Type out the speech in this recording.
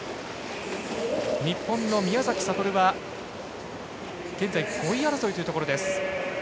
日本の宮崎哲現在５位争いというところ。